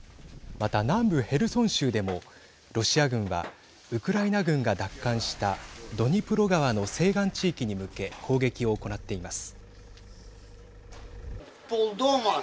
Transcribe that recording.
また、南部ヘルソン州でもロシア軍はウクライナ軍が奪還したドニプロ川の西岸地域に向け攻撃を行っています。